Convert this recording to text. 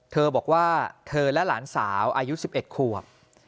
เธอบอกว่าเธอและหลานสาวอายุ๑๑ขวบ